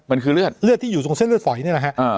มันคือเลือดเลือดที่อยู่ตรงเส้นเลือดฝอยนี่แหละฮะ